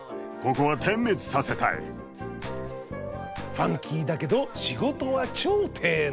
ファンキーだけど仕事は超丁寧。